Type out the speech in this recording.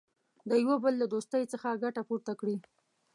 د یوه بل له دوستۍ څخه ګټه پورته کړي.